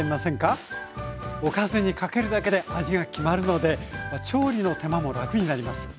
おかずにかけるだけで味が決まるので調理の手間も楽になります。